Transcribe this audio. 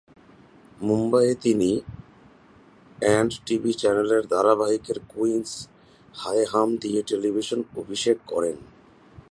মুম্বাইয়ে তিনি and TV চ্যানেলের ধারাবাহিকের কুইন্স হ্যায় হাম দিয়ে টেলিভিশনে অভিষেক করেন।